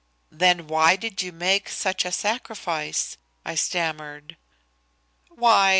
"Then why did you make such a sacrifice?" I stammered. "Why!